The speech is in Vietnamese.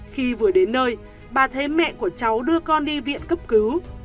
khi vừa đến nơi bà thế mẹ của cháu đưa con đi viện cấp cứu